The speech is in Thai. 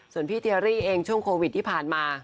ส่วนพี่เทียรี่เองช่วงโควิดที่ผ่านมา